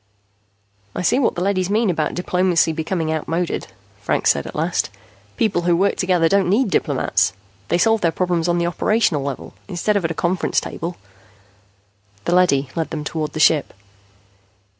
"I see what the leadys mean about diplomacy becoming outmoded," Franks said at last. "People who work together don't need diplomats. They solve their problems on the operational level instead of at a conference table." The leady led them toward the ship.